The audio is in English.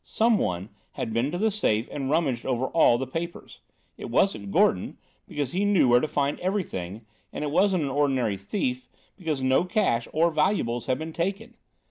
Someone had been to the safe and rummaged over all the papers. It wasn't Gordon, because he knew where to find everything; and it wasn't an ordinary thief, because no cash or valuables had been taken.